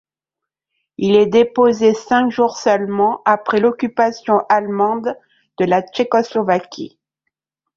Il est déposé cinq jours seulement après l'occupation allemande de la Tchécoslovaquie.